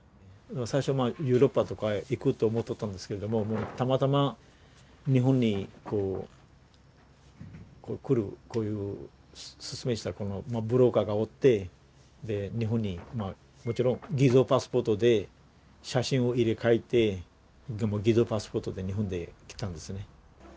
最初ヨーロッパとか行くと思っとったんですけれどもたまたま日本にこう来るこういう説明したブローカーがおって日本にもちろん偽造パスポートで写真を入れ替えて偽造パスポートで日本で来たんですね。